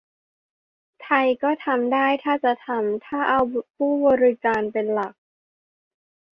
ไทยก็ทำได้ ถ้าจะทำ เอาผู้รับบริการเป็นหลัก